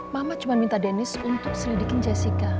mama cuma minta denis untuk selidikin jessica